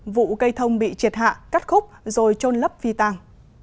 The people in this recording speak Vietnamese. vụ cây thông bị triệt hạ cắt khúc rồi trôn lấp phi tàng